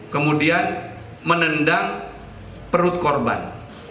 kemudian menendang perut korban